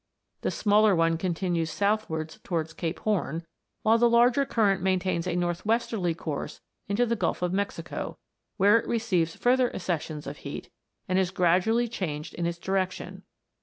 The smaller one continues south wards towards Cape Horn ; while the larger current maintains a north westerly course into the Gulf of Mexico, where it receives further accessions of heat, and is gradually changed in its direction.